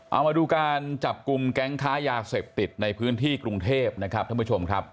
เอามาดูการจับกลุ่มแก๊งค้ายาเสพติดในพื้นที่กรุงเทพนะครับท่านผู้ชมครับ